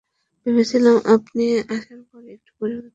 ভেবেছিলাম আপনি আসার পর একটু পরিবর্তন আসবে।